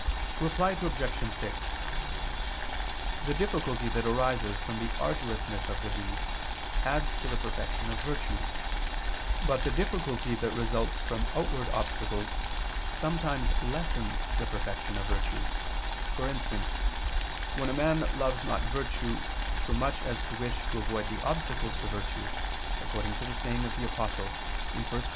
Reply Obj. 6: The difficulty that arises from the arduousness of the deed adds to the perfection of virtue; but the difficulty that results from outward obstacles sometimes lessens the perfection of virtue for instance, when a man loves not virtue so much as to wish to avoid the obstacles to virtue, according to the saying of the Apostle (1 Cor.